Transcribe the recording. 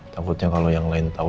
takutnya kalau yang lain tahu